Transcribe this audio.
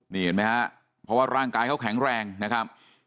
นี่เห็นไหมครับเพราะว่าร่างกายเขาแข็งแรงนะครับ